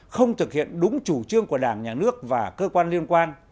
không thực hiện đúng chủ trương của đảng nhà nước và cơ quan liên quan